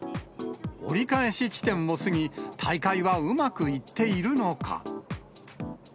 折り返し地点を過ぎ、大会はうまくいっているのか。